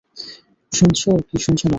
শুনছো কি শুনছো না?